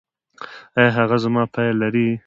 ایا هغه زما فایل لري؟